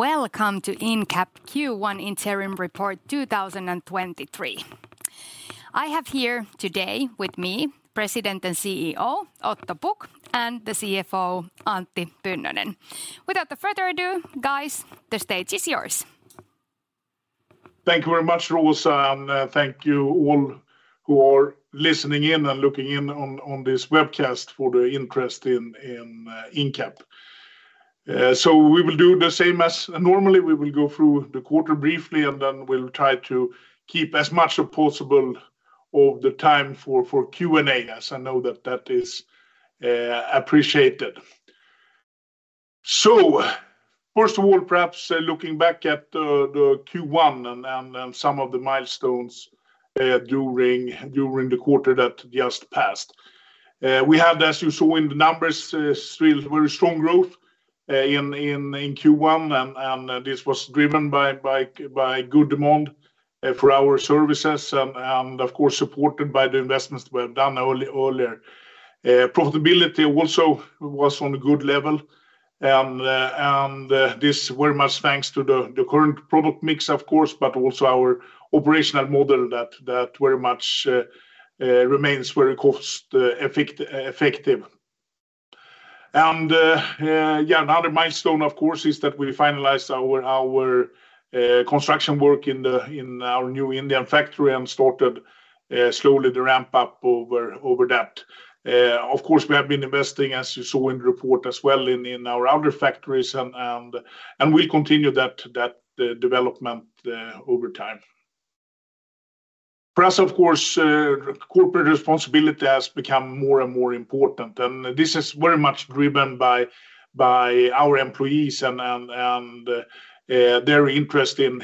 Welcome to Incap Q1 Interim Report 2023. I have here today with me President and CEO, Otto Pukk, and the CFO, Antti Pynnönen. Without the further ado, guys, the stage is yours. Thank you very much, Rosa. Thank you all who are listening in and looking in on this webcast for the interest in Incap. We will do the same as normally. We will go through the quarter briefly, and then we'll try to keep as much as possible of the time for Q&A, as I know that that is appreciated. First of all, perhaps looking back at the Q1 and some of the milestones during the quarter that just passed. We had, as you saw in the numbers, still very strong growth in Q1 and this was driven by good demand for our services and of course supported by the investments we have done earlier. Profitability also was on a good level and this very much thanks to the current product mix, of course, but also our operational model that remains very cost-effective. Yeah, another milestone of course, is that we finalized our construction work in our new Indian factory and started slowly to ramp up over that. Of course, we have been investing, as you saw in the report as well in our other factories and we continue that development over time. For us, of course, corporate responsibility has become more and more important, and this is very much driven by our employees and their interest in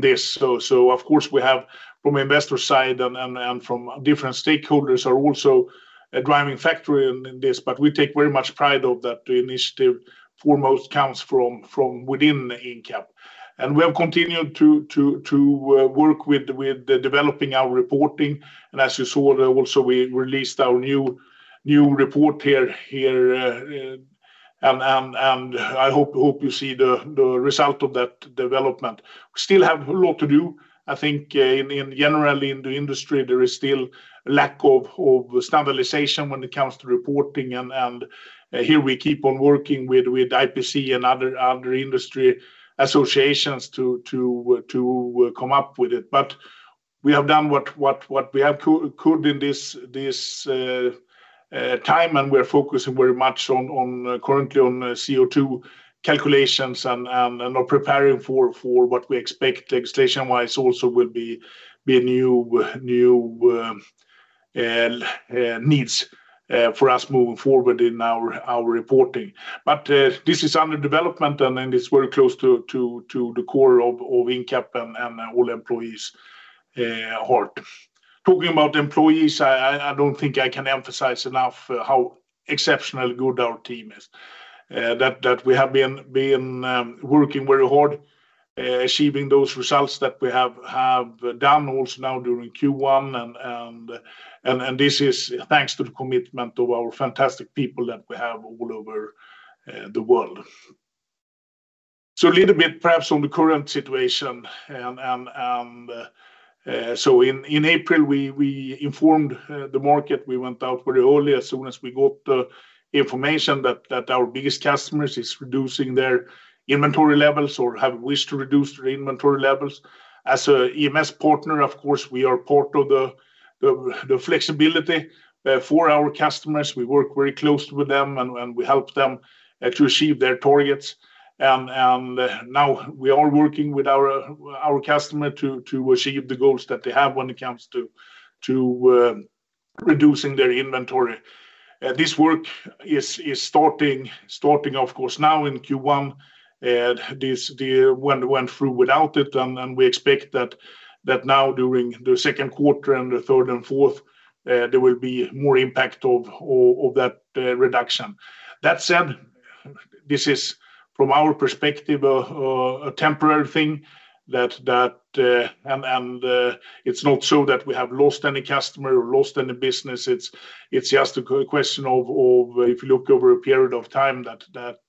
this. Of course, we have from investor side and from different stakeholders are also a driving factor in this, but we take very much pride of that initiative foremost comes from within Incap. We have continued to work with the developing our reporting. As you saw there also, we released our new report here, and I hope you see the result of that development. We still have a lot to do. I think in generally in the industry there is still lack of standardization when it comes to reporting and here we keep on working with IPC and other industry associations to come up with it. We have done what we have could in this time, and we're focusing very much on currently on CO2 calculations and are preparing for what we expect legislation-wise also will be a new needs for us moving forward in our reporting. This is under development, and then it's very close to the core of Incap and all employees' heart. Talking about employees, I don't think I can emphasize enough how exceptionally good our team is that we have been working very hard achieving those results that we have done also now during Q1 and this is thanks to the commitment of our fantastic people that we have all over the world. A little bit perhaps on the current situation and in April, we informed the market. We went out very early, as soon as we got the information that our biggest customers is reducing their inventory levels or have wished to reduce their inventory levels. As a EMS partner, of course, we are part of the flexibility for our customers. We work very closely with them and we help them to achieve their targets. Now we are working with our customer to achieve the goals that they have when it comes to reducing their inventory. This work is starting of course now in Q1. This went through without it and we expect that now during the second quarter and the third quarter quarter and fourth, there will be more impact of that reduction. That said, this is from our perspective, a temporary thing that and it's not so that we have lost any customer or lost any business. It's just a question of, if you look over a period of time that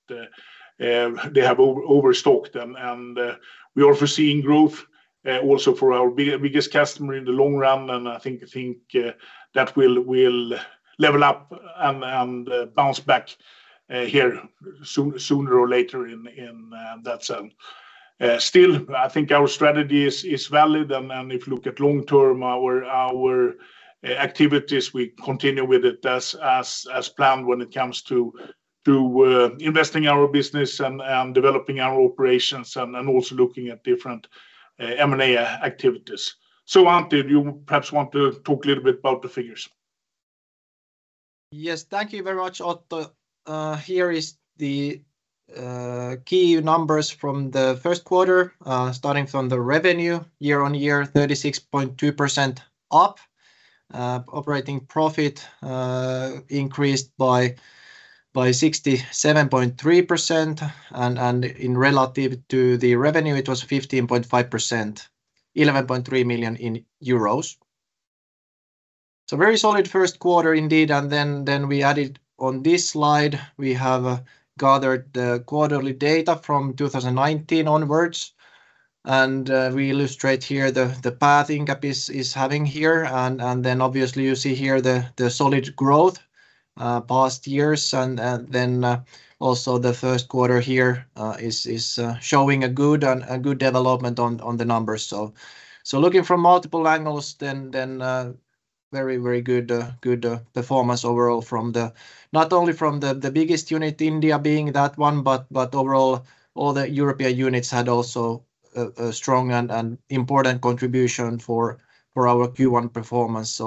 they have overstocked and we are foreseeing growth also for our biggest customer in the long run, and I think that we'll level up and bounce back here sooner or later in that sense. Still, I think our strategy is valid, and if you look at long-term, our activities, we continue with it as planned when it comes to investing our business and developing our operations and also looking at different M&A activities. Antti, you perhaps want to talk a little bit about the figures. Yes. Thank you very much, Otto. Here is the key numbers from the first quarter, starting from the revenue year-on-year, 36.2% up. Operating profit increased by 67.3%, and in relative to the revenue, it was 15.5%, 11.3 million euros. Very solid first quarter indeed, and then we added on this slide, we have gathered the quarterly data from 2019 onwards. We illustrate here the path Incap is having here and then obviously you see here the solid growth past years and then also the first quarter here is showing a good development on the numbers. Looking from multiple angles then very, very good performance overall from the. Not only from the biggest unit India being that one, but overall all the European units had also a strong and important contribution for our Q1 performance.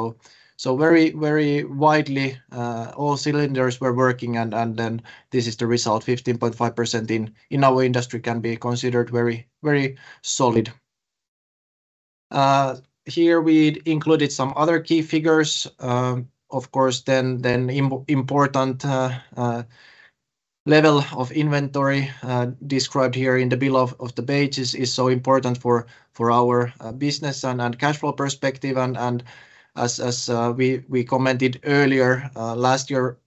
Very, very widely, all cylinders were working and then this is the result, 15.5% in our industry can be considered very, very solid. Here we'd included some other key figures. Of course, then important level of inventory described here in the below of the pages is so important for our business and cash flow perspective, and as we commented earlier last year,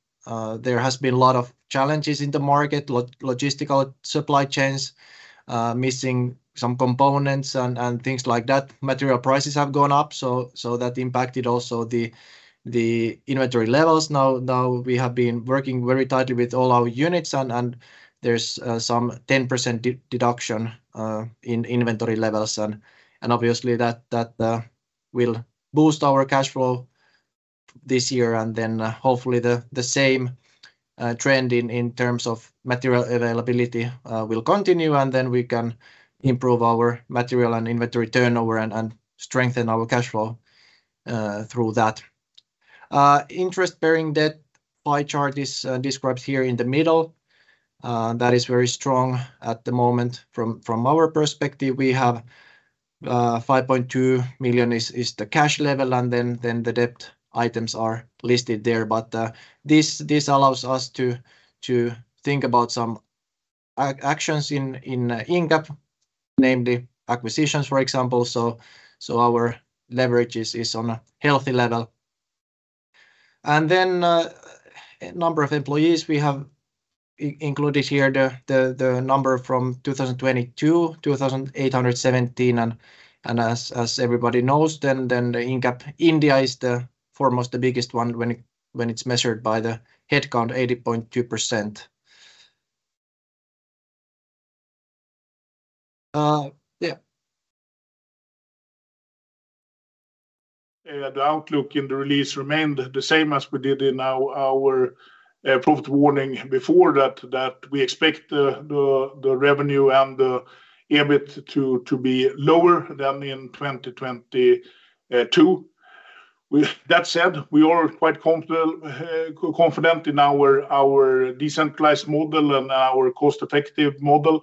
there has been a lot of challenges in the market, logistical supply chains, missing some components and things like that. Material prices have gone up. That impacted also the inventory levels. We have been working very tightly with all our units, and there's some 10% deduction in inventory levels, and obviously that will boost our cash flow this year. Hopefully the same trend in terms of material availability will continue, and then we can improve our material and inventory turnover and strengthen our cash flow through that. Interest-bearing debt pie chart is described here in the middle. That is very strong at the moment from our perspective. We have 5.2 million is the cash level, and then the debt items are listed there. This allows us to think about some actions in Incap, namely acquisitions, for example. Our leverage is on a healthy level. Number of employees, we have included here the number from 2022, 2,817. As everybody knows, then the Incap India is the foremost the biggest one when it's measured by the headcount, 80.2%. Yeah. Yeah, the outlook in the release remained the same as we did in our profit warning before that we expect the revenue and the EBIT to be lower than in 2022. That said, we are quite confident in our decentralized model and our cost-effective model.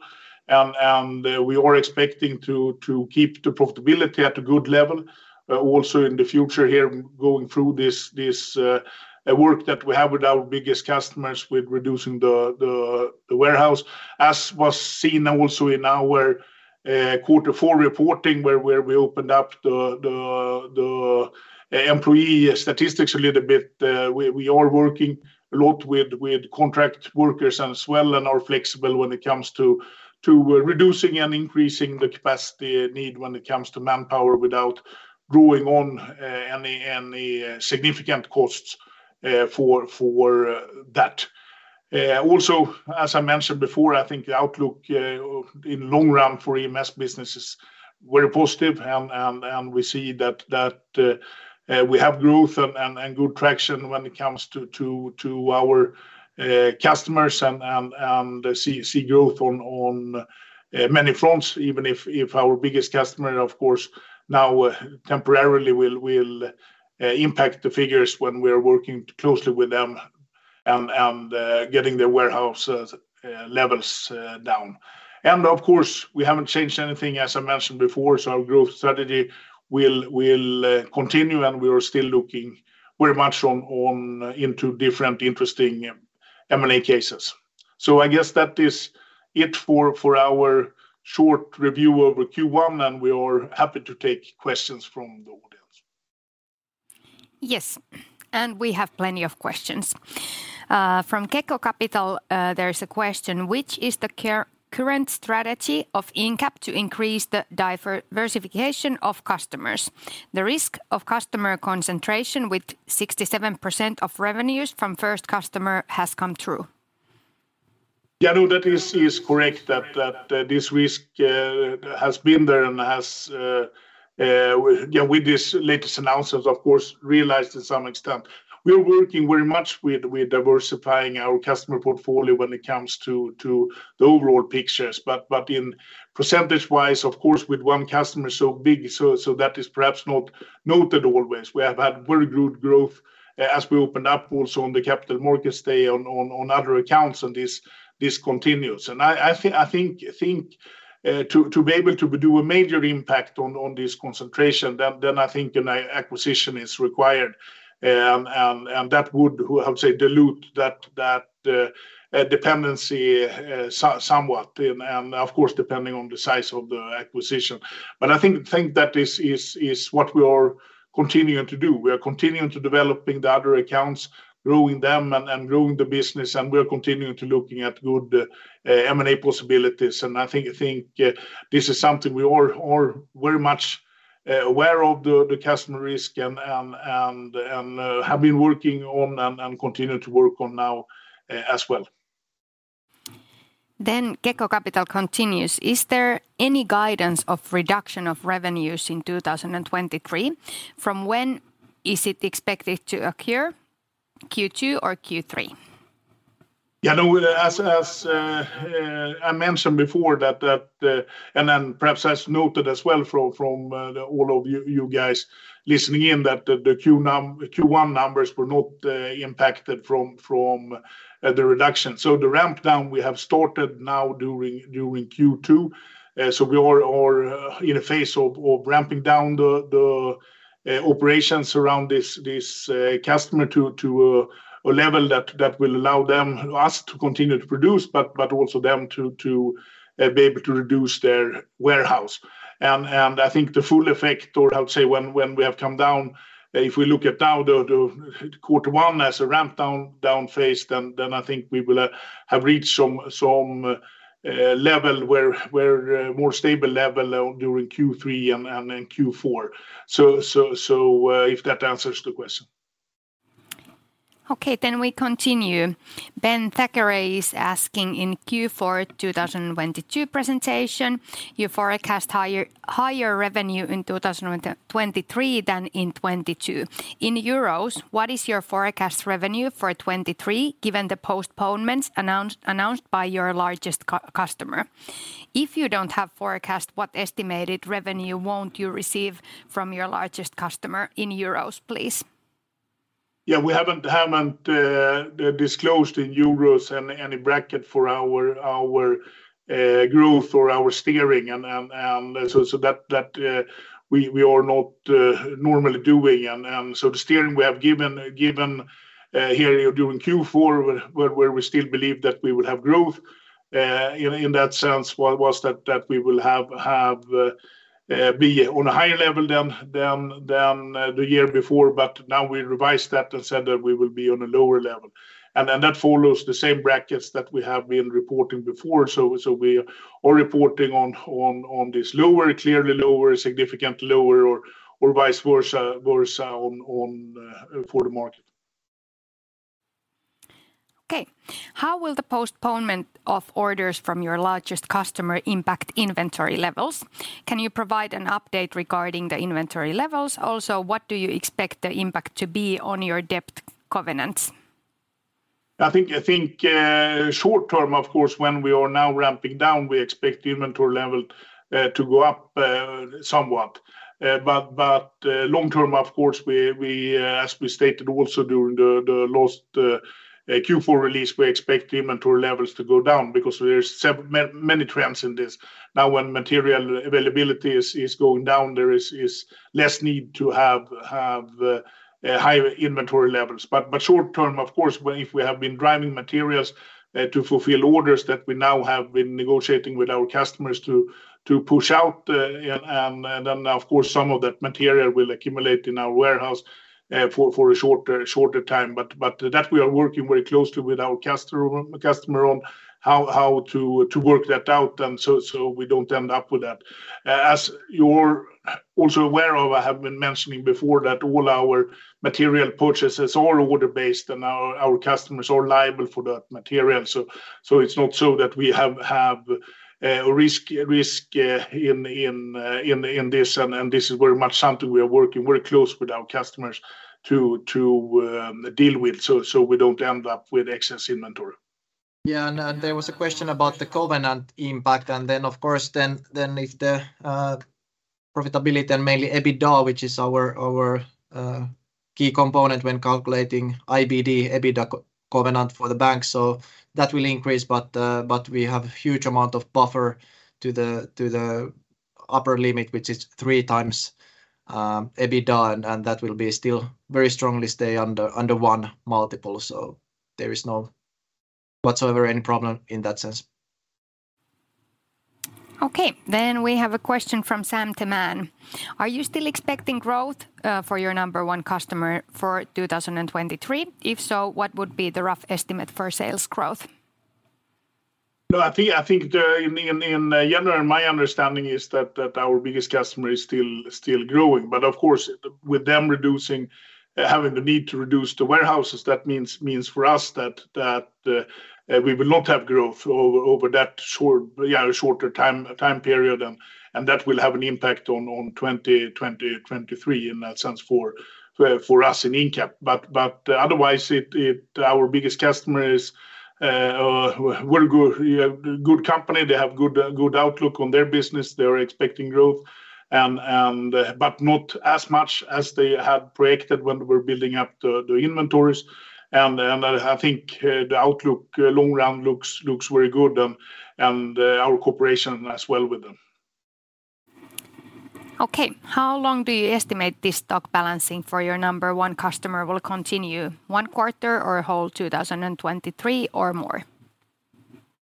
We are expecting to keep the profitability at a good level, also in the future here going through this work that we have with our biggest customers with reducing the warehouse. As was seen also in our quarter four reporting, where we opened up the employee statistics a little bit. We are working a lot with contract workers as well and are flexible when it comes to reducing and increasing the capacity need when it comes to manpower without growing on any significant costs for that. Also, as I mentioned before, I think the outlook in long run for EMS business is very positive and we see that we have growth and good traction when it comes to our customers and see growth on many fronts, even if our biggest customer, of course, now temporarily will impact the figures when we're working closely with them and getting their warehouse levels down. Of course, we haven't changed anything, as I mentioned before. Our growth strategy will continue, and we are still looking very much on into different interesting M&A cases. I guess that is it for our short review over Q1, and we are happy to take questions from the audience. Yes. We have plenty of questions. From Gekko Capital, there is a question: Which is the current strategy of Incap to increase the diversification of customers? The risk of customer concentration with 67% of revenues from first customer has come true. Yeah, no, that is correct that this risk has been there and has, yeah, with this latest announcements, of course, realized to some extent. We are working very much with diversifying our customer portfolio when it comes to the overall pictures. But in percentage-wise, of course, with one customer so big, so that is perhaps not noted always. We have had very good growth as we opened up also on the Capital Markets Day on other accounts, and this continues. I think to be able to do a major impact on this concentration, then I think an acquisition is required. That would, how to say, dilute that dependency somewhat and of course, depending on the size of the acquisition. I think that is what we are continuing to do. We are continuing to developing the other accounts, growing them and growing the business, and we are continuing to looking at good M&A possibilities. I think this is something we are very much aware of the customer risk and have been working on and continue to work on now as well. Then Gekko Capital continues, Is there any guidance of reduction of revenues in 2023? From when is it expected to occur, Q2 or Q3? Yeah, no, as I mentioned before that, and then perhaps as noted as well from the all of you guys listening in, that the Q1 numbers were not impacted from the reduction. The ramp down we have started now during Q2. So we are in a phase of ramping down the operations around this customer to a level that will allow us to continue to produce, but also them to be able to reduce their warehouse. I think the full effect, or I would say when we have come down, if we look at now the Q1 as a ramp down phase, then I think we will have reached some level where more stable level during Q3 and Q4. If that answers the question? Okay, we continue. Ben Thackeray is asking, in Q4 2022 presentation, you forecast higher revenue in 2023 than in 2022. In EUR, what is your forecast revenue for 2023 given the postponements announced by your largest customer? If you don't have forecast, what estimated revenue won't you receive from your largest customer in EUR, please? Yeah. We haven't disclosed in EUR any bracket for our growth or our steering and so that we are not normally doing. The steering we have given here during Q4 where we still believe that we would have growth in that sense was that we will be on a higher level than the year before. Now we revise that instead that we will be on a lower level. That follows the same brackets that we have been reporting before. We are reporting on this lower, clearly lower, significant lower or vice versa on for the market. Okay. How will the postponement of orders from your largest customer impact inventory levels? Can you provide an update regarding the inventory levels? What do you expect the impact to be on your debt covenants? I think, short-term of course when we are now ramping down, we expect the inventory level to go up somewhat. Long-term of course we, as we stated also during the last Q4 release, we expect the inventory levels to go down because there's many trends in this. Now when material availability is going down, there is less need to have higher inventory levels. Short-term of course when if we have been driving materials to fulfill orders that we now have been negotiating with our customers to push out, and then of course some of that material will accumulate in our warehouse for a shorter time. That we are working very closely with our customer on how to work that out and so we don't end up with that. As you're also aware of, I have been mentioning before that all our material purchases are order-based and our customers are liable for that material. It's not so that we have a risk in this. This is very much something we are working very close with our customers to deal with so we don't end up with excess inventory. There was a question about the covenant impact, and then of course then if the profitability and mainly EBITDA, which is our key component when calculating IBD, EBITDA covenant for the bank, so that will increase but we have huge amount of buffer to the upper limit, which is 3x EBITDA, and that will be still very strongly stay under one multiple so there is no whatsoever any problem in that sense. Okay. We have a question from Sam Teman: Are you still expecting growth for your number one customer for 2023? If so, what would be the rough estimate for sales growth? No, I think the... in general, my understanding is that our biggest customer is still growing. Of course with them reducing, having the need to reduce the warehouses, that means for us that we will not have growth over that short, yeah, shorter time period and that will have an impact on 2023 in that sense for us in Incap. Otherwise... our biggest customer is very good, yeah, good company. They have good outlook on their business. They are expecting growth, and, but not as much as they had projected when we were building up the inventories. I think the outlook long run looks very good, and our cooperation as well with them. How long do you estimate this stock balancing for your number one customer will continue? one quarter or whole 2023 or more?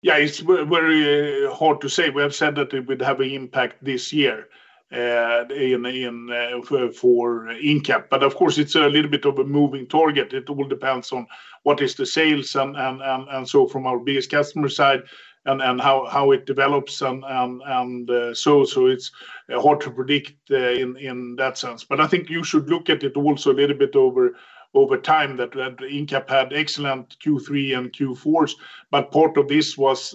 Yeah, it's very hard to say. We have said that it would have an impact this year for Incap, but of course it's a little bit of a moving target. It all depends on what is the sales and so from our biggest customer side and how it develops, and so it's hard to predict in that sense. I think you should look at it also a little bit over time that Incap had excellent Q3 and Q4s, but part of this was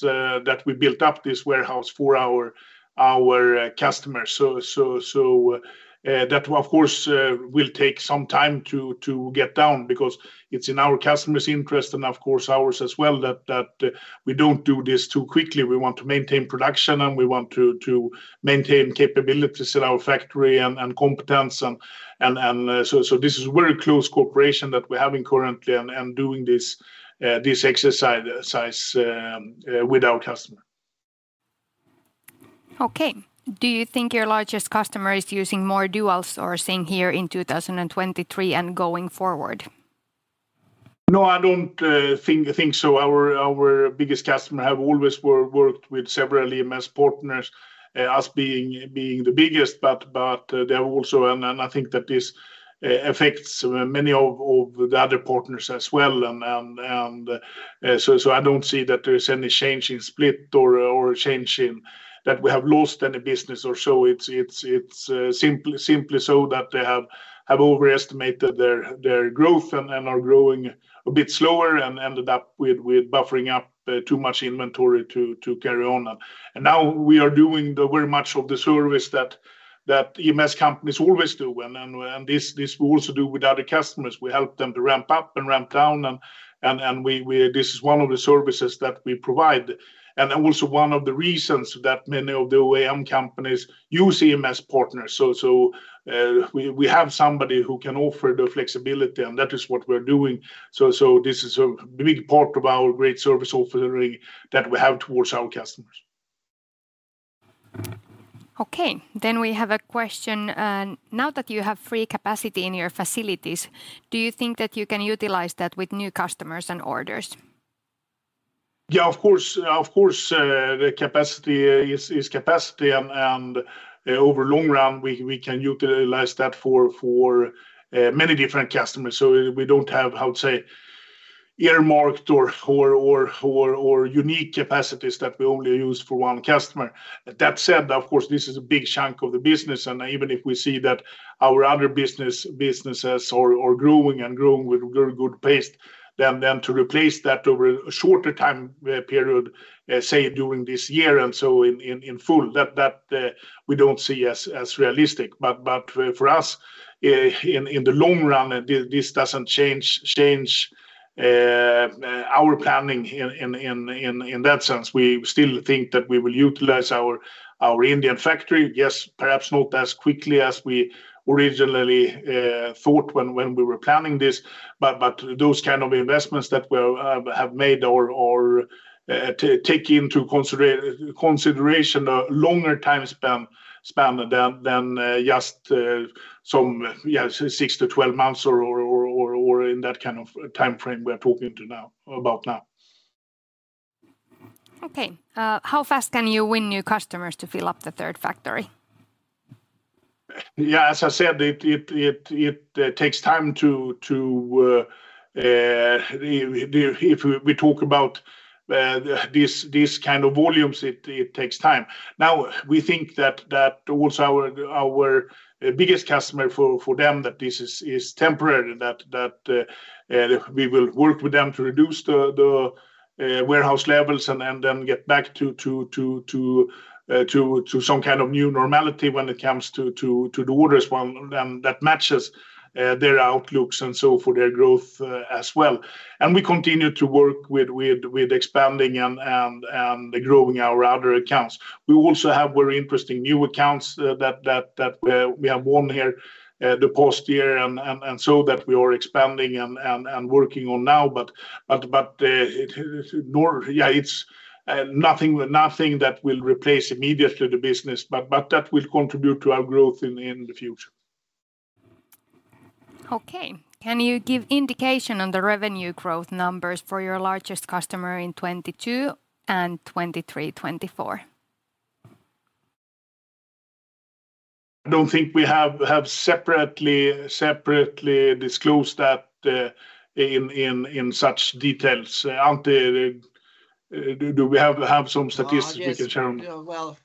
that we built up this warehouse for our customers. That of course will take some time to get down because it's in our customers' interest and of course ours as well that we don't do this too quickly. We want to maintain production, and we want to maintain capabilities at our factory and competence and so this is very close cooperation that we're having currently and doing this exercise with our customer. Okay. Do you think your largest customer is using more dual sourcing here in 2023 and going forward? No, I don't think so. Our biggest customer have always worked with several EMS partners, us being the biggest, but they have also. I think that this affects many of the other partners as well. I don't see that there's any change in split or change in that we have lost any business or so. It's simply so that they have overestimated their growth and are growing a bit slower and ended up with buffering up too much inventory to carry on. Now we are doing the very much of the service that EMS companies always do, this we also do with other customers. We help them to ramp up and ramp down and we. This is one of the services that we provide and also one of the reasons that many of the OEM companies use EMS partners. We have somebody who can offer the flexibility, and that is what we're doing. This is a big part of our great service offering that we have towards our customers. Okay. We have a question, now that you have free capacity in your facilities, do you think that you can utilize that with new customers and orders? Yeah, of course. Of course, the capacity is capacity and over long run, we can utilize that for many different customers. We don't have, how to say, earmarked or unique capacities that we only use for one customer. That said, of course, this is a big chunk of the business, and even if we see that our other businesses are growing and growing with very good pace, then to replace that over a shorter time period, say, during this year and so in full, that we don't see as realistic. For us, in the long run, this doesn't change our planning in that sense. We still think that we will utilize our Indian factory. Yes, perhaps not as quickly as we originally thought when we were planning this. Those kind of investments that we're have made or take into consideration a longer time span than just some, yeah, six to 12 months or in that kind of timeframe we are talking to now, about now. Okay. How fast can you win new customers to fill up the third factory? Yeah, as I said, it takes time to, if we talk about, this kind of volumes, it takes time. Now, we think that also our biggest customer for them, that this is temporary, that we will work with them to reduce the warehouse levels and then get back to some kind of new normality when it comes to the orders one. That matches, their outlooks and so for their growth, as well. We continue to work with expanding and growing our other accounts. We also have very interesting new accounts that we have won here the past year and so that we are expanding and working on now. But, yeah, it's nothing that will replace immediately the business, but that will contribute to our growth in the future. Okay. Can you give indication on the revenue growth numbers for your largest customer in 2022 and 2023, 2024? I don't think we have separately disclosed that in such details. Antti, do we have some statistics we can share? Well,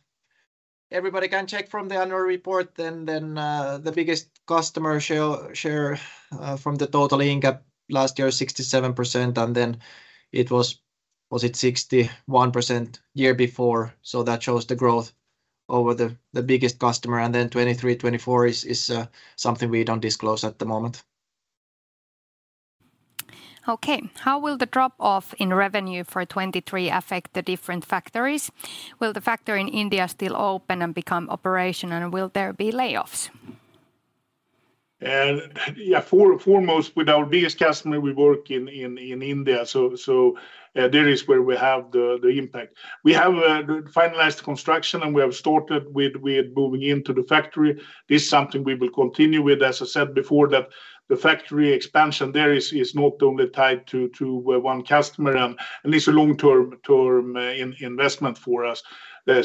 everybody can check from the annual report then, the biggest customer share, from the total Incap last year, 67%, then Was it 61% year before? That shows the growth over the biggest customer. Then 2023, 2024 is something we don't disclose at the moment. Okay. How will the drop-off in revenue for 2023 affect the different factories? Will the factory in India still open and become operational, and will there be layoffs? Yeah, foremost with our biggest customer, we work in India. There is where we have the impact. We have finalized construction, and we have started with moving into the factory. This is something we will continue with. As I said before, that the factory expansion there is not only tied to one customer and at least a long-term investment for us.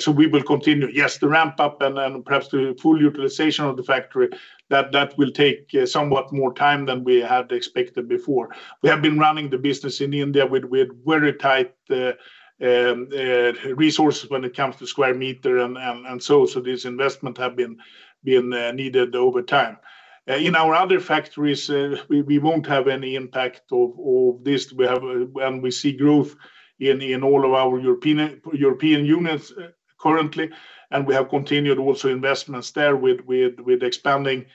We will continue. Yes, the ramp up and then perhaps the full utilization of the factory, that will take somewhat more time than we had expected before. We have been running the business in India with very tight resources when it comes to square meter and so. This investment have been needed over time. In our other factories, we won't have any impact of this. We see growth in all of our European units currently, and we have continued also investments there with expanding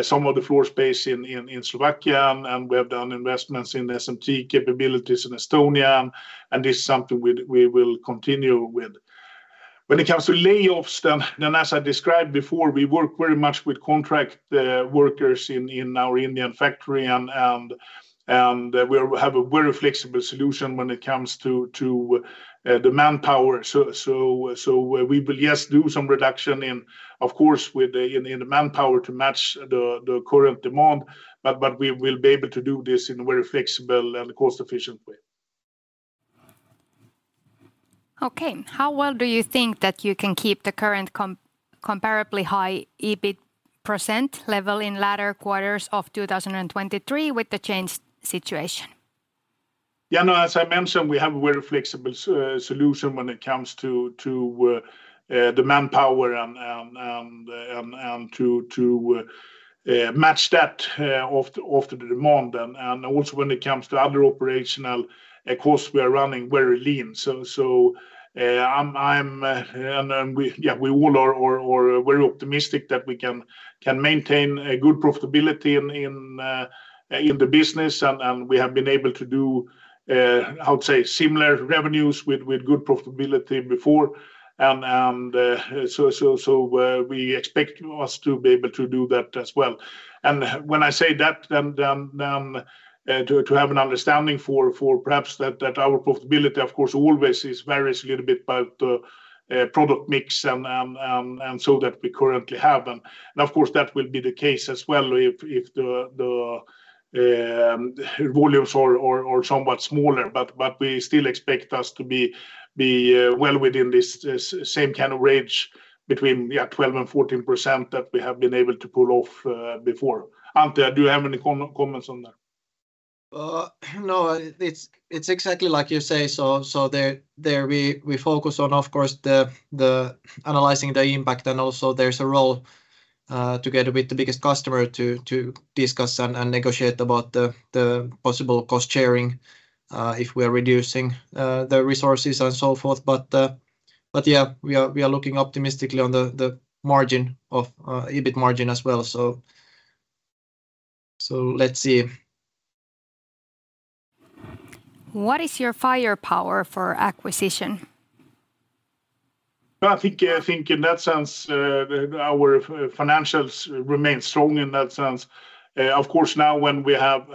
some of the floor space in Slovakia, and we have done investments in SMT capabilities in Estonia, and this is something we will continue with. When it comes to layoffs, then as I described before, we work very much with contract workers in our Indian factory and we have a very flexible solution when it comes to the manpower. We will, yes, do some reduction in, of course.in the manpower to match the current demand, but we will be able to do this in a very flexible and cost-efficient way. Okay. How well do you think that you can keep the current comparably high EBIT percent level in latter quarters of 2023 with the changed situation? Yeah, no, as I mentioned, we have a very flexible solution when it comes to the manpower and to match that of the demand. Also when it comes to other operational costs, we are running very lean. I'm and we all are very optimistic that we can maintain a good profitability in the business. We have been able to do, I would say similar revenues with good profitability before and so we expect us to be able to do that as well. When I say that, then to have an understanding for perhaps that our profitability, of course, always is varies a little bit by the product mix and so that we currently have. Of course, that will be the case as well if the volumes are somewhat smaller. We still expect us to be well within this same kind of range between, yeah, 12% and 14% that we have been able to pull off before. Antti, do you have any comments on that? No, it's exactly like you say. There, we focus on, of course, the analyzing the impact and also there's a role together with the biggest customer to discuss and negotiate about the possible cost sharing if we are reducing the resources and so forth. Yeah, we are looking optimistically on the margin of EBIT margin as well. Let's see. What is your firepower for acquisition? I think in that sense, our financials remain strong in that sense. Of course, now when we have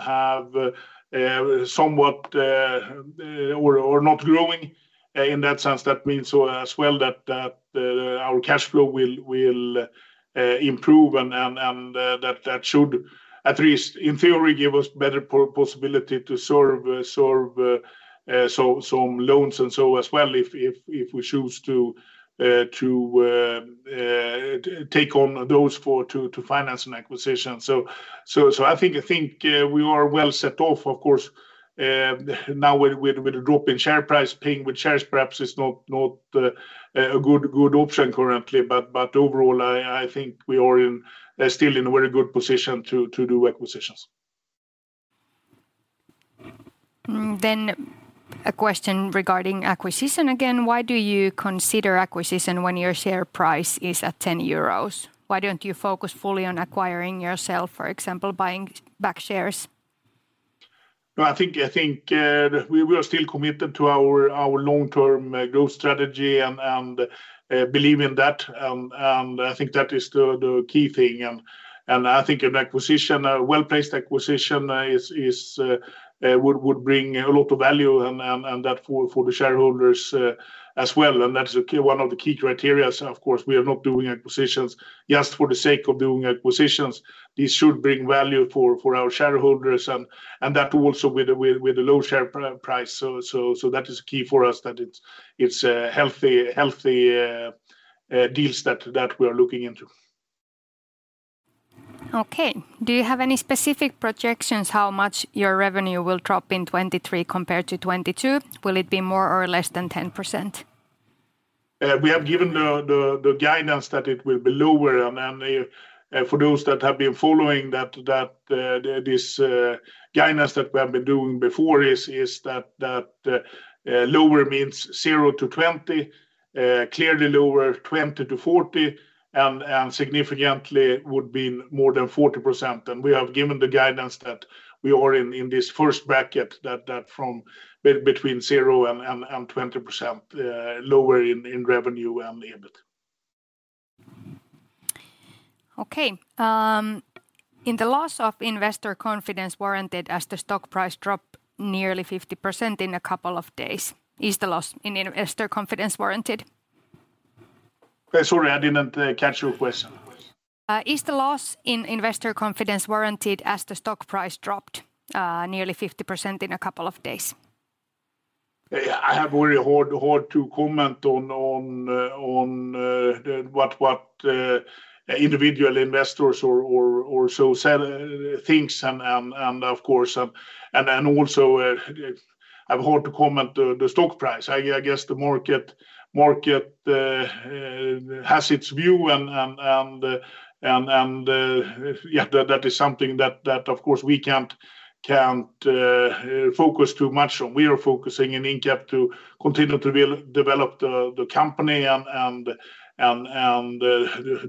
somewhat or not growing in that sense, that means as well that our cash flow will improve and that should at least in theory give us better possibility to serve some loans and so as well if we choose to take on those to finance an acquisition. I think we are well set off. Of course, now with the drop in share price, paying with shares perhaps is not a good option currently. Overall, I think we are in still in a very good position to do acquisitions. A question regarding acquisition again. Why do you consider acquisition when your share price is at 10 euros? Why don't you focus fully on acquiring yourself, for example, buying back shares? I think we are still committed to our long-term growth strategy and believe in that. I think that is the key thing. I think an acquisition, a well-placed acquisition is would bring a lot of value and that for the shareholders as well, and that's one of the key criterias. Of course, we are not doing acquisitions just for the sake of doing acquisitions. This should bring value for our shareholders and that also with the low share price. That is key for us, that it's healthy deals that we are looking into. Okay. Do you have any specific projections how much your revenue will drop in 2023 compared to 2022? Will it be more or less than 10%? We have given the guidance that it will be lower. For those that have been following that this guidance that we have been doing before is that lower means 0%-20%, clearly lower, 20%-40%, and significantly would be more than 40%. We have given the guidance that we are in this first bracket that from between 0% and 20% lower in revenue and EBIT. Okay. in the loss of investor confidence warranted as the stock price dropped nearly 50% in a couple of days. Is the loss in investor confidence warranted? Sorry, I didn't catch your question. Is the loss in investor confidence warranted as the stock price dropped, nearly 50% in a couple of days? I have very hard to comment on what individual investors or so thinks and of course. Then also, I've hard to comment the stock price. I guess the market has its view and that is something that of course we can't focus too much on. We are focusing in Incap to continue to build-develop the company and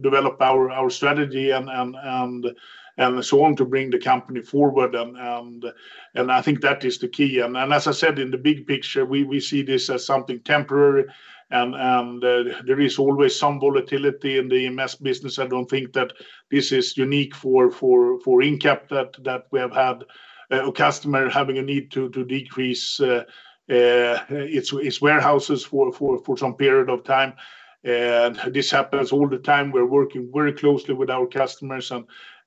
develop our strategy and so on to bring the company forward and I think that is the key. As I said, in the big picture, we see this as something temporary and there is always some volatility in the EMS business. I don't think that this is unique for Incap that we have had a customer having a need to decrease its warehouses for some period of time. This happens all the time. We're working very closely with our customers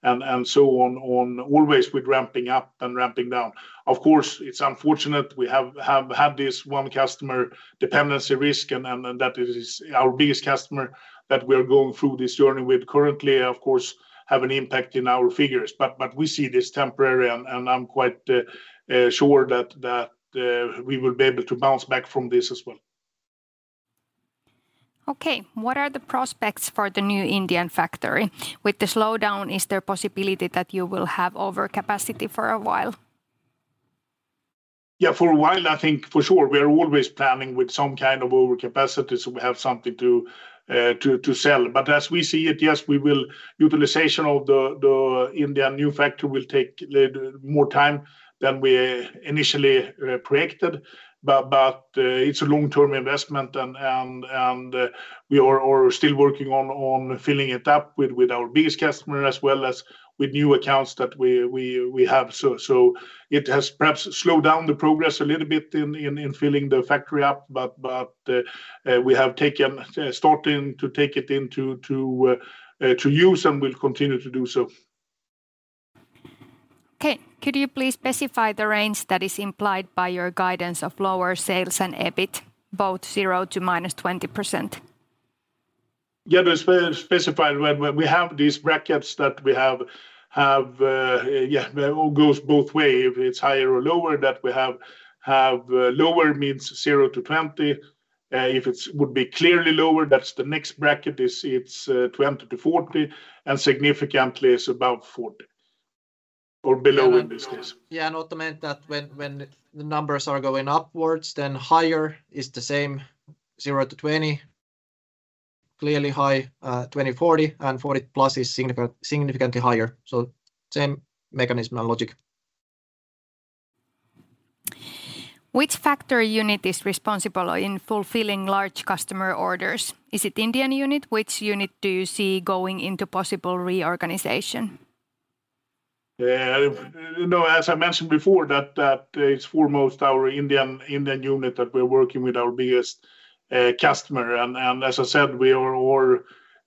and so on, always with ramping up and ramping down. Of course, it's unfortunate we have this one customer dependency risk and that is our biggest customer that we are going through this journey with currently. Of course, have an impact in our figures, but we see this temporary and I'm quite sure that we will be able to bounce back from this as well. Okay. What are the prospects for the new Indian factory? With the slowdown, is there possibility that you will have overcapacity for a while? Yeah, for a while, I think for sure. We are always planning with some kind of overcapacity, so we have something to sell. As we see it, yes, we will... Utilization of the Indian new factory will take little more time than we initially projected, but it's a long-term investment and we are still working on filling it up with our biggest customer as well as with new accounts that we have. It has perhaps slowed down the progress a little bit in filling the factory up, but we have taken, starting to take it into use and will continue to do so. Okay. Could you please specify the range that is implied by your guidance of lower sales and EBIT, both 0% to -20%? Yeah. To specify, when we have these brackets that we have, yeah, it goes both way. If it's higher or lower that we have lower means 0%-20%. If it's would be clearly lower, that's the next bracket is it's, 20%-40%, and significantly is above 40%, or below in this case. Yeah. ultimate that when the numbers are going upwards, higher is the same 0%-20%, clearly high, 20%-40%, and 40%+ is significantly higher. Same mechanism and logic. Which factory unit is responsible in fulfilling large customer orders? Is it Indian unit? Which unit do you see going into possible reorganization? Yeah. You know, as I mentioned before that it's foremost our Indian unit that we're working with our biggest customer. As I said, we are,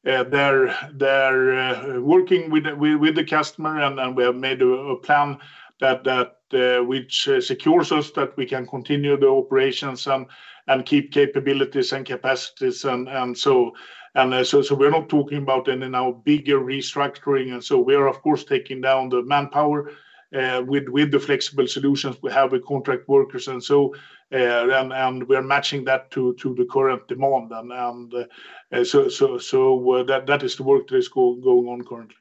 uh, there working with the customer and we have made a plan that, uh, which secures us that we can continue the operations and keep capabilities and capacities and so. We're not talking about any now bigger restructuring and so we are of course taking down the manpower with the flexible solutions. We have a contract workers and so, we are matching that to the current demand and so that is the work that is going on currently.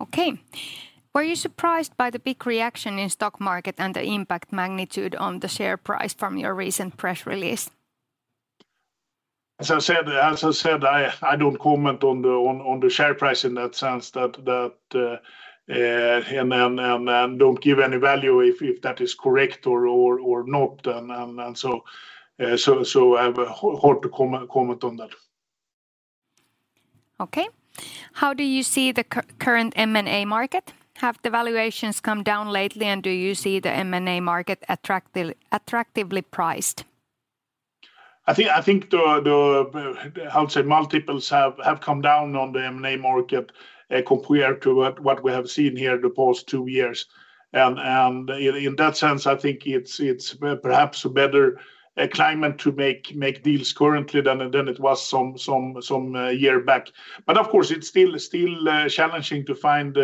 Okay. Were you surprised by the big reaction in stock market and the impact magnitude on the share price from your recent press release? As I said, I don't comment on the share price in that sense that, and then don't give any value if that is correct or not. I have a hard to comment on that. Okay. How do you see the current M&A market? Have the valuations come down lately, and do you see the M&A market attractively priced? I think the, how to say, multiples have come down on the M&A market, compared to what we have seen here the past two years. In that sense, I think it's perhaps a better climate to make deals currently than it was some year back. Of course it's still challenging to find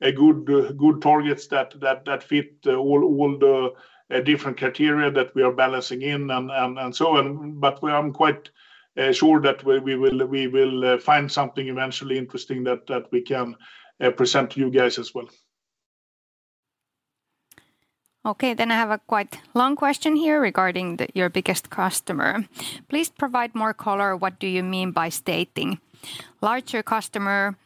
good targets that fit all the different criteria that we are balancing in and so on. I'm quite sure that we will find something eventually interesting that we can present to you guys as well. I have a quite long question here regarding your biggest customer. Please provide more color what do you mean by stating larger customer,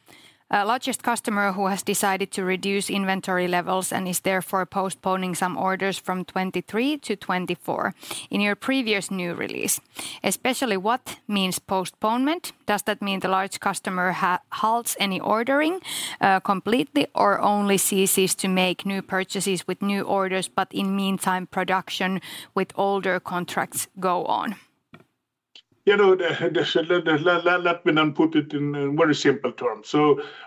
largest customer who has decided to reduce inventory levels and is therefore postponing some orders from 2023 to 2024. In your previous new release, especially what means postponement? Does that mean the large customer halts any ordering completely or only ceases to make new purchases with new orders, but in meantime, production with older contracts go on? You know, let me put it in very simple terms.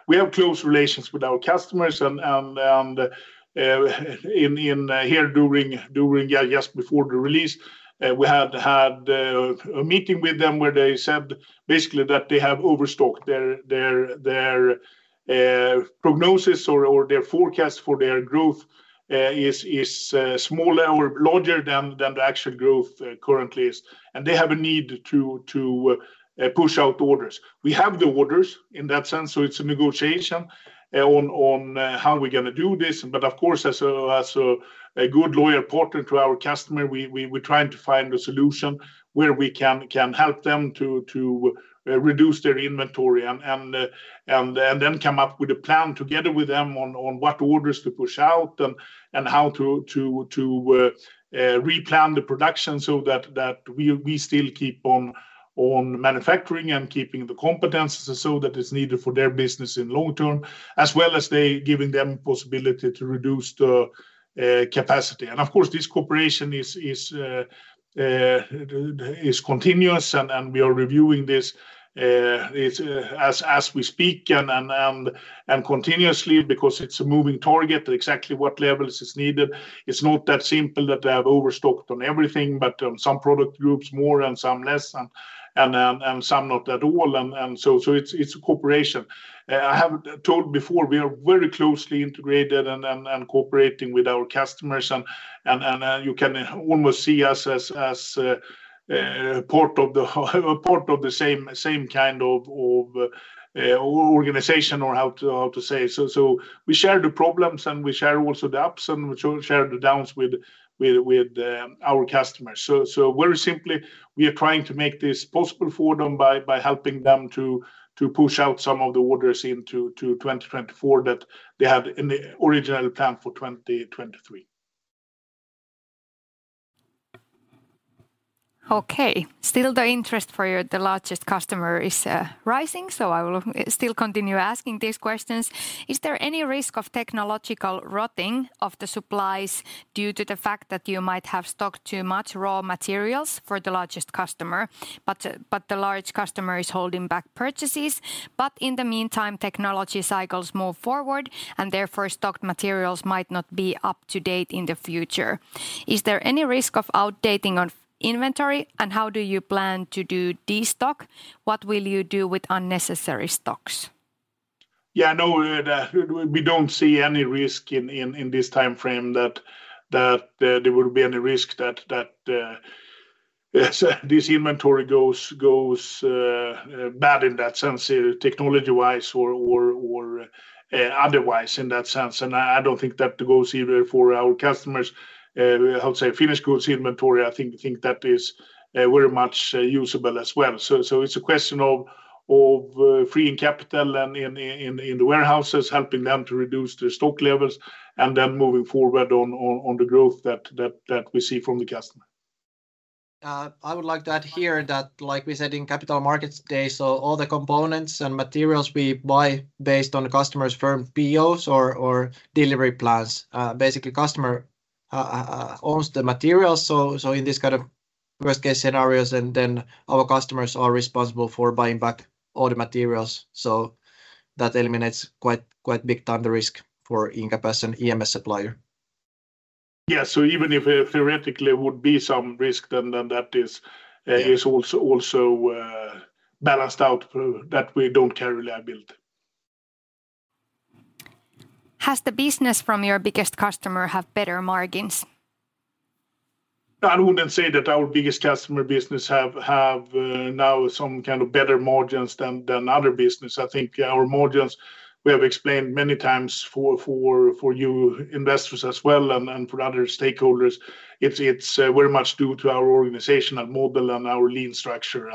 We have close relations with our customers and in here during, yeah, just before the release, we had a meeting with them where they said basically that they have overstocked their prognosis or their forecast for their growth is smaller or larger than the actual growth currently is. They have a need to push out orders. We have the orders in that sense, so it's a negotiation on how we're gonna do this. Of course, as a good loyal partner to our customer, we're trying to find a solution where we can help them to reduce their inventory and then come up with a plan together with them on what orders to push out and how to replan the production so that we still keep on manufacturing and keeping the competence so that it's needed for their business in long term, as well as giving them possibility to reduce the capacity. Of course, this cooperation is continuous and we are reviewing this as we speak and continuously because it's a moving target exactly what levels is needed. It's not that simple that they have overstocked on everything, but some product groups more and some less and some not at all. It's a cooperation. I have told before, we are very closely integrated and cooperating with our customers and you can almost see us as part of the same kind of organization or how to say. We share the problems and we share also the ups and we share the downs with our customers. Very simply, we are trying to make this possible for them by helping them to push out some of the orders into 2024 that they had in the original plan for 2023. Okay. Still the interest for the largest customer is rising, so I will still continue asking these questions. Is there any risk of technological rotting of the supplies due to the fact that you might have stocked too much raw materials for the largest customer? The large customer is holding back purchases, but in the meantime, technology cycles move forward, and therefore, stocked materials might not be up to date in the future. Is there any risk of outdating of inventory, and how do you plan to do destock? What will you do with unnecessary stocks? Yeah, no, we don't see any risk in this timeframe that there will be any risk that this inventory goes bad in that sense, technology-wise or otherwise in that sense. I don't think that goes either for our customers', how to say, finished goods inventory. I think that is very much usable as well. It's a question of freeing capital in the warehouses, helping them to reduce their stock levels, and then moving forward on the growth that we see from the customer. I would like to add here that, like we said in Capital Markets Day, all the components and materials we buy based on the customer's firm POs or delivery plans. Basically, customer owns the material, so in this kind of worst-case scenarios, and then our customers are responsible for buying back all the materials. That eliminates quite big time the risk for Incap as an EMS supplier. Yeah, even if theoretically would be some risk then, that is... Yeah... is also balanced out through that we don't carry liability. Has the business from your biggest customer have better margins? I wouldn't say that our biggest customer business have now some kind of better margins than other business. I think our margins, we have explained many times for you investors as well and for other stakeholders, it's very much due to our organizational model and our lean structure.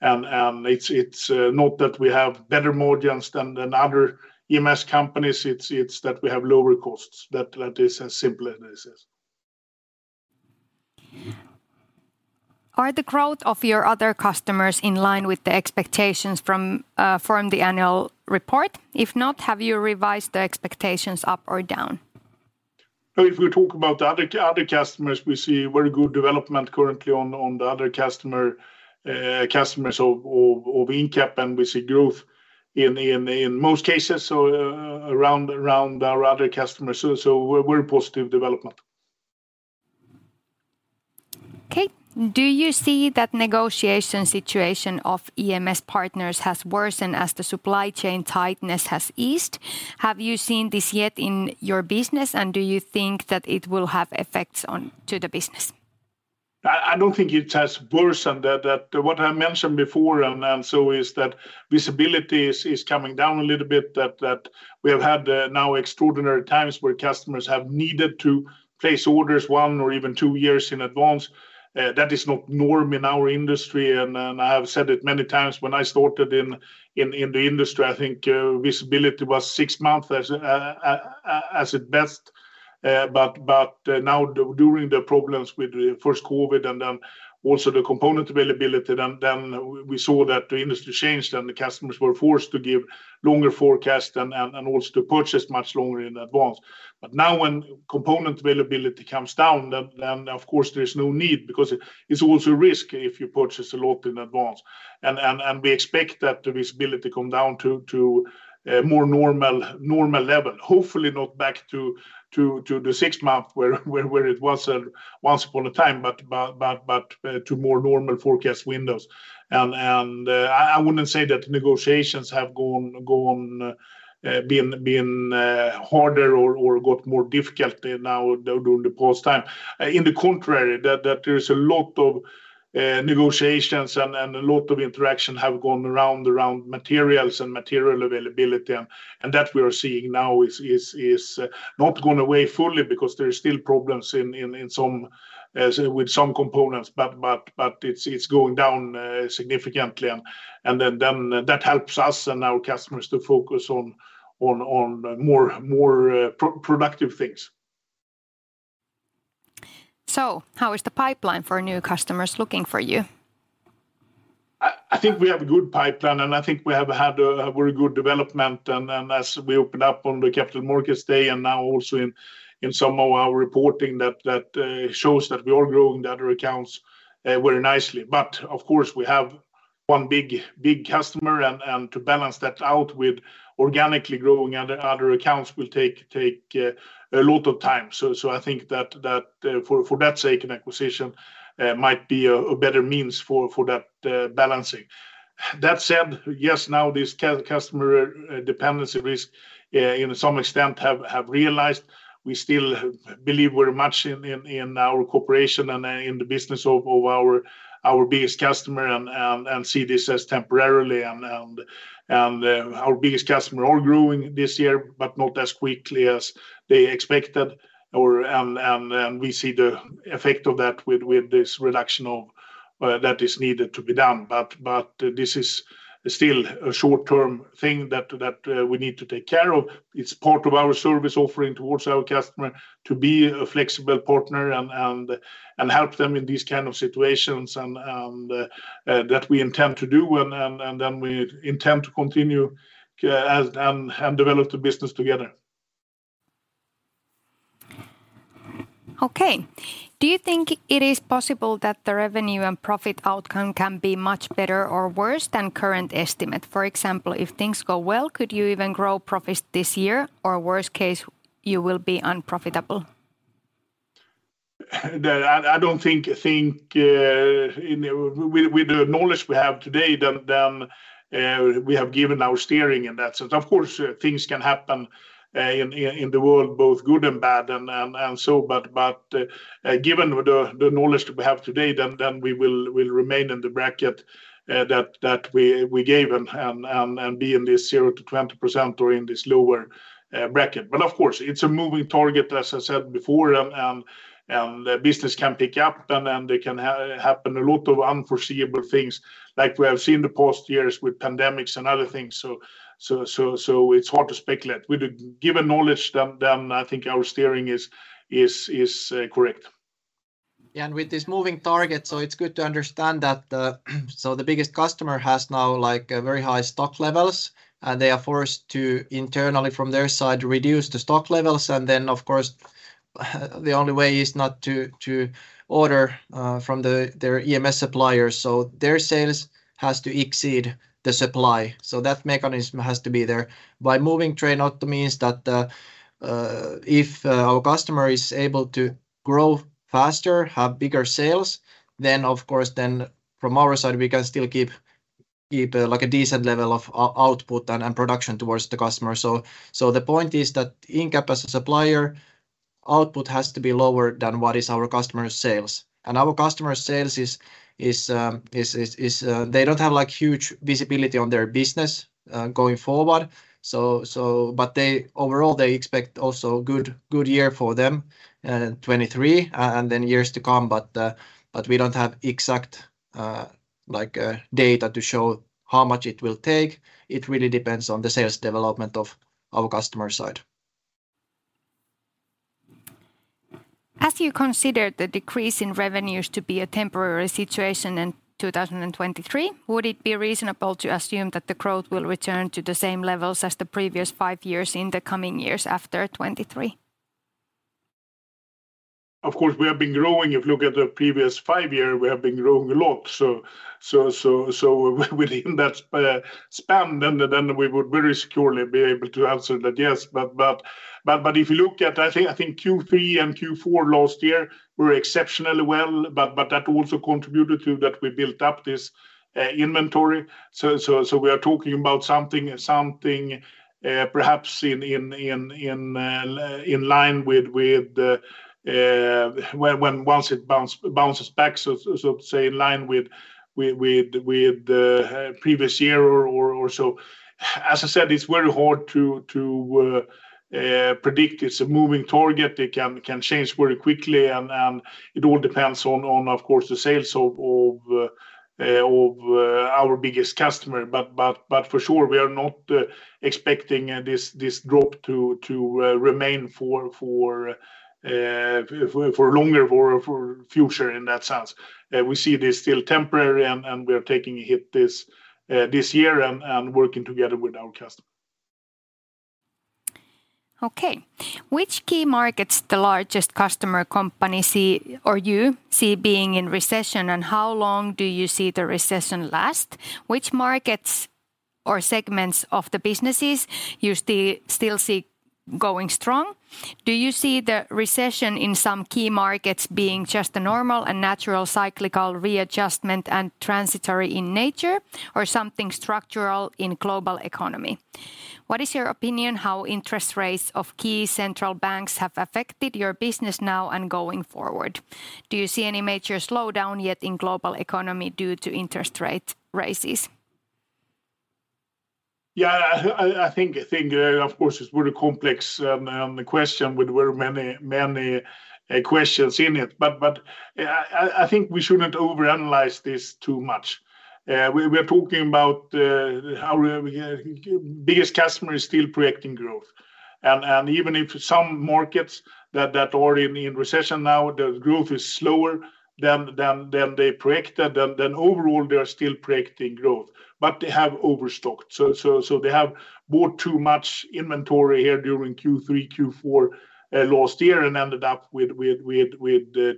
It's not that we have better margins than other EMS companies. It's that we have lower costs that is as simple as this is. Are the growth of your other customers in line with the expectations from the annual report? If not, have you revised the expectations up or down? If we talk about the other customers, we see very good development currently on the other customer, customers of Incap. We see growth in most cases. Around our other customers, very positive development. Okay. Do you see that negotiation situation of EMS partners has worsened as the supply chain tightness has eased? Have you seen this yet in your business, and do you think that it will have effects on to the business? I don't think it has worsened that what I mentioned before and so is that visibility is coming down a little bit that we have had now extraordinary times where customers have needed to place orders one or even two years in advance. That is not norm in our industry and I have said it many times when I started in the industry, I think, visibility was six months as at best. Now during the problems with the first COVID and then also the component availability then we saw that the industry changed and the customers were forced to give longer forecast and also to purchase much longer in advance. Now when component availability comes down, then of course there's no need because it's also risk if you purchase a lot in advance. We expect that the visibility come down to a more normal level, hopefully not back to the six month where it was once upon a time, but to more normal forecast windows. I wouldn't say that negotiations have gone, been harder or got more difficult now during the past time. In the contrary, that there is a lot of negotiations and a lot of interaction have gone around materials and material availability and that we are seeing now is not gone away fully because there is still problems in some with some components, but it's going down significantly and that helps us and our customers to focus on more productive things. How is the pipeline for new customers looking for you? I think we have a good pipeline, and I think we have had a very good development and as we opened up on the Capital Markets Day and now also in some of our reporting that shows that we are growing the other accounts very nicely. Of course we have one big customer and to balance that out with organically growing other accounts will take a lot of time. I think that for that sake, an acquisition might be a better means for that balancing. That said, yes, now this customer dependency risk in some extent have realized. We still believe very much in our cooperation and in the business of our biggest customer and see this as temporarily and our biggest customer are growing this year, but not as quickly as they expected or. We see the effect of that with this reduction that is needed to be done. This is still a short-term thing that we need to take care of. It's part of our service offering towards our customer to be a flexible partner and help them in these kind of situations and that we intend to do and then we intend to continue as and develop the business together. Okay. Do you think it is possible that the revenue and profit outcome can be much better or worse than current estimate? For example, if things go well, could you even grow profits this year, or worst case you will be unprofitable? That I don't think in the with the knowledge we have today than we have given our steering in that sense. Of course, things can happen in the world, both good and bad, and so, but given the knowledge that we have today, then we will remain in the bracket that we gave and be in this 0%-20% or in this lower bracket. Of course it's a moving target as I said before, and business can pick up, and there can happen a lot of unforeseeable things like we have seen the past years with pandemics and other things. So it's hard to speculate. With the given knowledge then, I think our steering is correct. With this moving target, it's good to understand that the biggest customer has now like a very high stock levels, and they are forced to internally from their side reduce the stock levels and then of course, the only way is not to order from their EMS suppliers. Their sales has to exceed the supply. That mechanism has to be there. By moving trade out means that, if our customer is able to grow faster, have bigger sales, then of course then from our side we can still keep a like a decent level of output and production towards the customer. The point is that Incap's supplier output has to be lower than what is our customer sales. Our customer sales is they don't have like huge visibility on their business going forward. But they overall they expect also good year for them 2023 and then years to come but we don't have exact like data to show how much it will take. It really depends on the sales development of our customer side. As you consider the decrease in revenues to be a temporary situation in 2023, would it be reasonable to assume that the growth will return to the same levels as the previous five years in the coming years after 2023? Of course, we have been growing. If you look at the previous five year, we have been growing a lot. Within that span, then we would very securely be able to answer that, yes. If you look at I think Q3 and Q4 last year were exceptionally well, but that also contributed to that we built up this inventory. We are talking about something, perhaps in line with, when once it bounces back, so to say in line with previous year or so. As I said, it's very hard to predict. It's a moving target. It can change very quickly and it all depends on, of course, the sales of our biggest customer. For sure we are not expecting this drop to remain for longer, for future in that sense. We see this still temporary and we're taking a hit this year and working together with our customer. Okay. Which key markets the largest customer company see, or you see being in recession, and how long do you see the recession last? Which markets or segments of the businesses you still see going strong? Do you see the recession in some key markets being just a normal and natural cyclical readjustment and transitory in nature or something structural in global economy? What is your opinion how interest rates of key central banks have affected your business now and going forward? Do you see any major slowdown yet in global economy due to interest rate raises? Yeah, I think, of course, it's very complex question with very many questions in it. Yeah, I think we shouldn't overanalyze this too much. We're talking about how we biggest customer is still projecting growth. Even if some markets that are in recession now, the growth is slower than they projected, then overall they are still projecting growth. They have overstocked. They have bought too much inventory here during Q3, Q4 last year and ended up with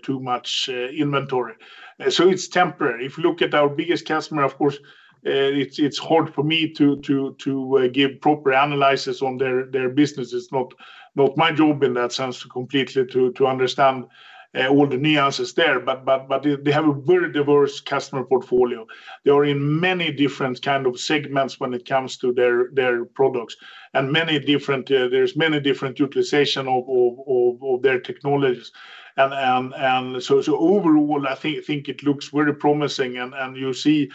too much inventory. It's temporary. If you look at our biggest customer, of course, it's hard for me to give proper analysis on their business. It's not my job in that sense completely to understand all the nuances there. They have a very diverse customer portfolio. They are in many different kind of segments when it comes to their products, and many different, there's many different utilization of their technologies. Overall I think it looks very promising and you see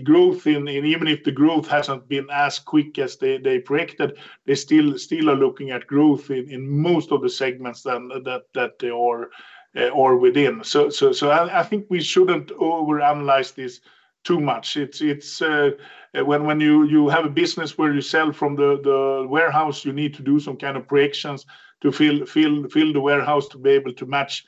growth in, and even if the growth hasn't been as quick as they projected, they still are looking at growth in most of the segments that they are or within. I think we shouldn't overanalyze this too much. It's when you have a business where you sell from the warehouse, you need to do some kind of projections to fill the warehouse to be able to match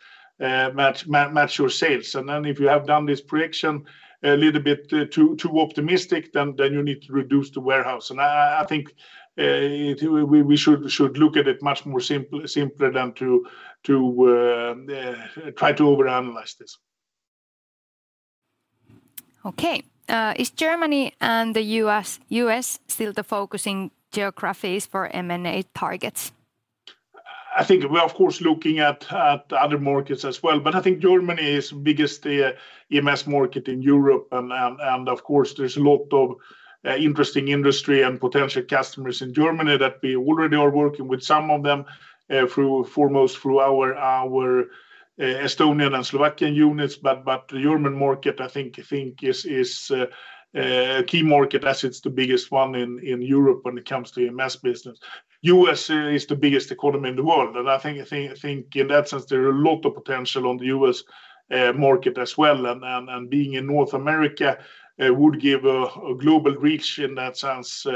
your sales. If you have done this projection a little bit too optimistic, then you need to reduce the warehouse. I think we should look at it much more simple, simpler than to try to overanalyze this. Okay. Is Germany and the U.S. still the focusing geographies for M&A targets? I think we are of course looking at other markets as well, but I think Germany is biggest EMS market in Europe and of course there's a lot of interesting industry and potential customers in Germany that we already are working with some of them, foremost through our Estonian and Slovakian units. The German market I think is a key market as it's the biggest one in Europe when it comes to EMS business. U.S. is the biggest economy in the world, and I think in that sense there are a lot of potential on the U.S. market as well. Being in North America would give a global reach in that sense,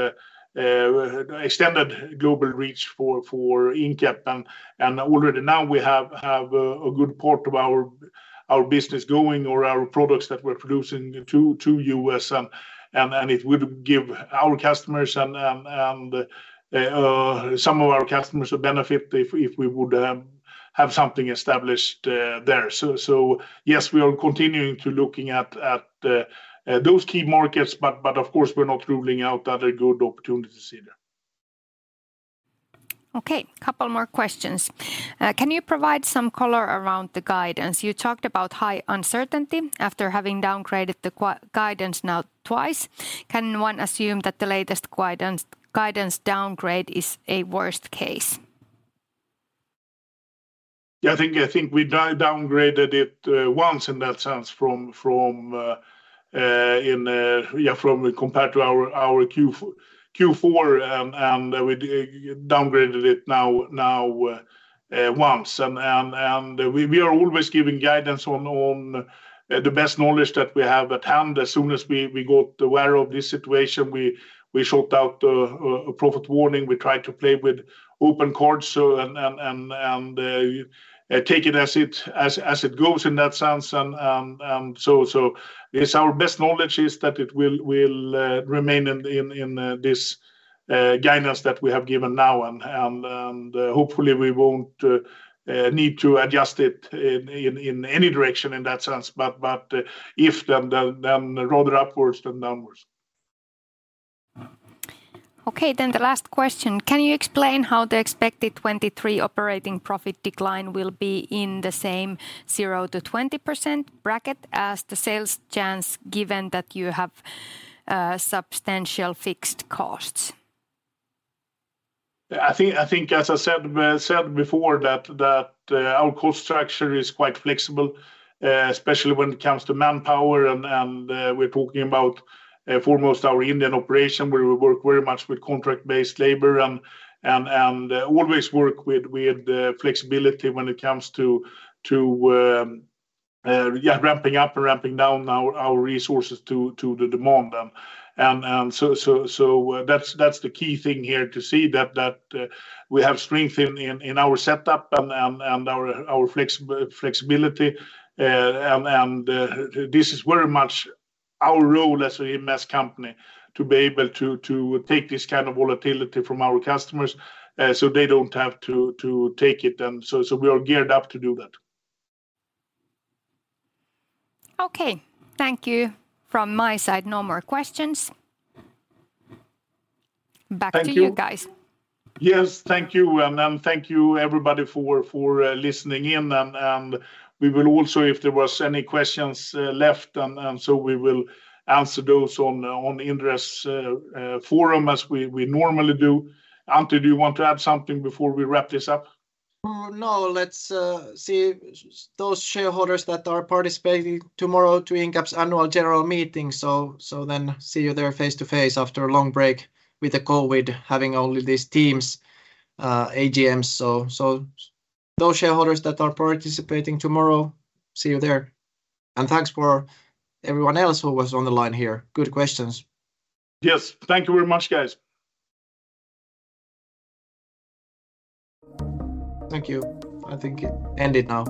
extended global reach for Incap. Already now we have a good part of our business going or our products that we're producing to U.S. and it would give our customers and some of our customers a benefit if we would have something established there. Yes, we are continuing to looking at those key markets but of course we're not ruling out other good opportunities either. Okay. Couple more questions. can you provide some color around the guidance? You talked about high uncertainty after having downgraded the guidance now twice. Can one assume that the latest guidance downgrade is a worst case? Yeah, I think we downgraded it once in that sense from in, yeah, from compared to our Q4, and we downgraded it now once. We are always giving guidance on the best knowledge that we have at hand. As soon as we got aware of this situation, we sought out a profit warning. We try to play with open cards so and take it as it goes in that sense. So it's our best knowledge is that it will remain in this guidance that we have given now and hopefully we won't need to adjust it in any direction in that sense. If, then rather upwards than downwards. Okay, the last question. Can you explain how the expected 2023 operating profit decline will be in the same 0%-20% bracket as the sales chance, given that you have substantial fixed costs? I think, as I said before, that our cost structure is quite flexible, especially when it comes to manpower and we're talking about foremost our Indian operation where we work very much with contract-based labor and always work with flexibility when it comes to yeah, ramping up and ramping down our resources to the demand. So that's the key thing here to see that we have strength in our setup and our flexibility. This is very much our role as an EMS company to be able to take this kind of volatility from our customers, so they don't have to take it. So we are geared up to do that. Okay. Thank you. From my side, no more questions. Back to you guys. Thank you. Yes. Thank you, and thank you everybody for listening in. We will also, if there was any questions left, so we will answer those on Inderes forum as we normally do. Antti, do you want to add something before we wrap this up? Let's see those shareholders that are participating tomorrow to Incap's Annual General Meeting. See you there face to face after a long break with the COVID, having only these Teams AGMs. Those shareholders that are participating tomorrow, see you there. Thanks for everyone else who was on the line here. Good questions. Yes. Thank you very much, guys. Thank you. I think it ended now.